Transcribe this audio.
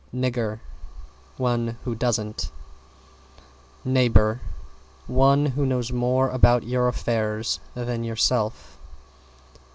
=NIGGER= One who doesn't. =NEIGHBOR= One who knows more about your affairs than yourself.